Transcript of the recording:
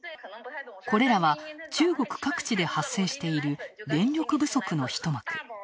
これらは中国各地で発生している電力不足の一幕。